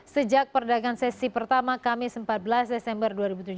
sejak perdagangan sesi pertama kamis empat belas desember dua ribu tujuh belas